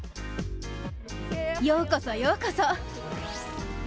ようこそ、ようこそ。